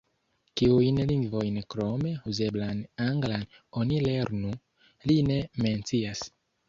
Kiujn lingvojn krom "uzeblan anglan" oni lernu, li ne mencias.